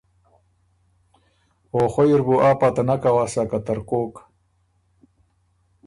او خوئ اِر بُو آ پته نک اؤسا که ترکوک؟